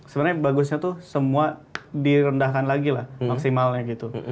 sebenarnya bagusnya tuh semua direndahkan lagi lah maksimalnya gitu